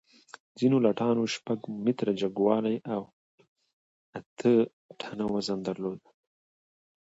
ځینو لټانو شپږ متره جګوالی او اته ټنه وزن درلود.